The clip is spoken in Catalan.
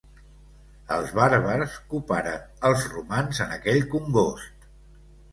Els bàrbars coparen els romans en aquell congost.